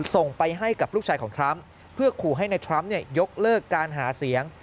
ส่งไปให้กับลูกชายของทรัมป์เพื่อขู่ให้ในทรัมป์ยกเลิกการหาเสียง